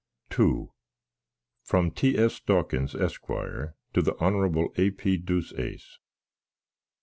II From T. S. Dawkins, Esq., to the Hon. A. P. Deuceace.